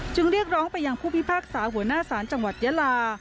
เรียกร้องไปยังผู้พิพากษาหัวหน้าศาลจังหวัดยาลา